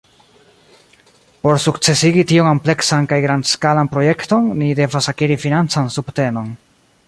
Por sukcesigi tiom ampleksan kaj grandskalan projekton, ni devas akiri financan subtenon.